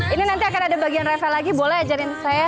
ini nanti akan ada bagian revel lagi boleh ajarin saya